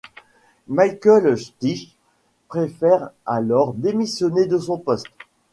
Michael Stich préfère alors démissionner de son poste.